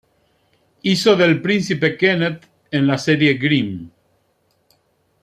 Hizo del príncipe Kenneth en la serie "Grimm".